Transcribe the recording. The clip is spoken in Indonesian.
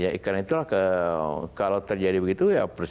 nah karena itulah kalau terjadi begitu ya persis